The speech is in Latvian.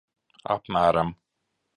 Apmēram.